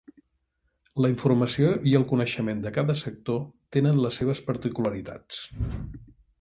La informació i el coneixement de cada sector tenen les seves particularitats.